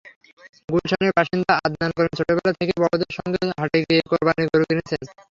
গুলশানের বাসিন্দা আদনান করিম ছোটবেলা থেকেই বড়দের সঙ্গে হাটে গিয়ে কোরবানির গরু কিনেছেন।